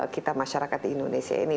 kita masyarakat di indonesia ini